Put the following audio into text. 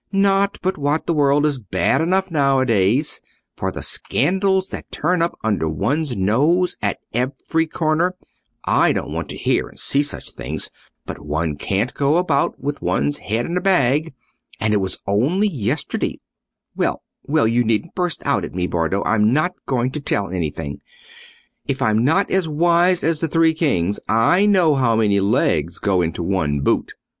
Not but what the world is bad enough nowadays, for the scandals that turn up under one's nose at every corner—I don't want to hear and see such things, but one can't go about with one's head in a bag; and it was only yesterday—well, well, you needn't burst out at me, Bardo, I'm not going to tell anything; if I'm not as wise as the three kings, I know how many legs go into one boot.